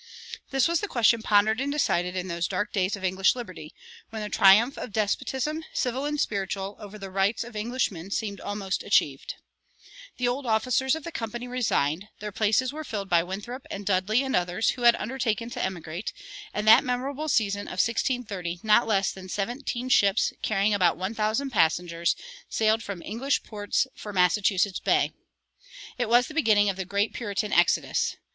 This was the question pondered and decided in those dark days of English liberty, when the triumph of despotism, civil and spiritual, over the rights of Englishmen seemed almost achieved. The old officers of the Company resigned; their places were filled by Winthrop and Dudley and others, who had undertaken to emigrate; and that memorable season of 1630 not less than seventeen ships, carrying about one thousand passengers, sailed from English ports for Massachusetts Bay. It was the beginning of the great Puritan exodus.